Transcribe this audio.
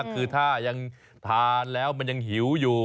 คือถ้ายังทานแล้วมันยังหิวอยู่